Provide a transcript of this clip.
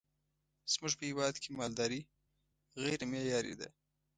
زمونږ په هیواد کی مالداری غیری معیاری ده